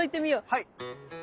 はい。